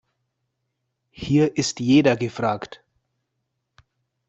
Hier ist jeder gefragt.